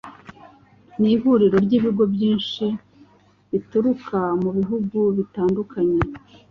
Ni ihuriro ry'ibigo by'inshi bituruka mu bihugu bitandukanye